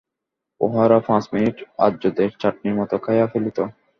উহারা পাঁচ মিনিটে আর্যদের চাটনির মত খাইয়া ফেলিত।